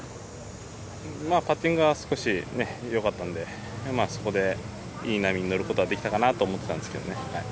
パッティングは少し良かったのでそこでいい波に乗ることはできたかなと思ってたんですけど。